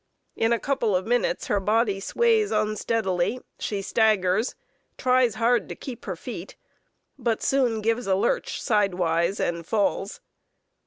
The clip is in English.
In a couple of minutes her body sways unsteadily, she staggers, tries hard to keep her feet, but soon gives a lurch sidewise and falls.